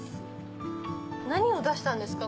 何を出したんですか？